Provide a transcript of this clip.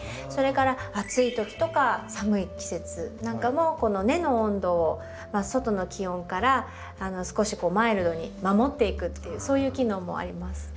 それから暑い時とか寒い季節なんかもこの根の温度を外の気温から少しマイルドに守っていくっていうそういう機能もあります。